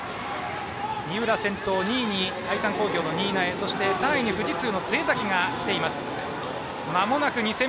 三浦が先頭２位に愛三工業の新家３位に富士通の潰滝が来ています。